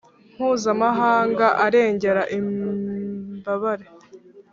mpuzamahanga arengera imbabare,